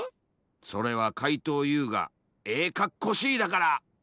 それはかいとうＵがええかっこしいだから！